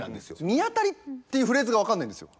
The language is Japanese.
ミアタリっていうフレーズが分かんないんですよ。